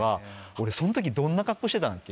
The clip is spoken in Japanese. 俺そん時どんなカッコしてたんだっけ？